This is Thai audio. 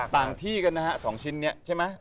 ต่างที่๒ชิ้นนี้ใช่ไหม